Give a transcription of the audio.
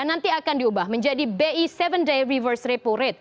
nanti akan diubah menjadi bi tujuh day reverse